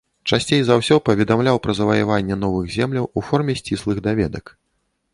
Часцей за ўсё паведамляў пра заваяванне новых земляў у форме сціслых даведак.